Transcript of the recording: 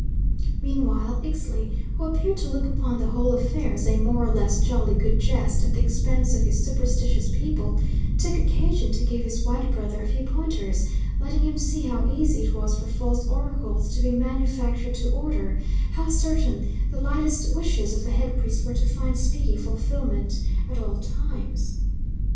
Meanwhile, Ixtli, who appeared to look upon the whole affair as a more or less jolly good jest at the expense of his superstitious people, took occasion to give his white brother a few pointers, letting him see how easy it was for false oracles to be manufactured to order; how certain the lightest wishes of the head priest were to find speedy fulfilment at all times.